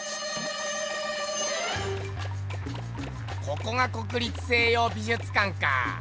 ここが国立西洋美術館か。